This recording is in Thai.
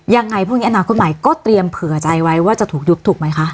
ยังไงพรุ่งนี้อนาคตใหม่ก็เตรียมเผื่อใจไว้ว่าจะถูกยุบถูกไหมคะ